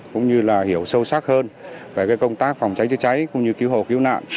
cũng như là hiểu sâu sắc hơn về công tác phòng cháy chữa cháy cũng như cứu hộ cứu nạn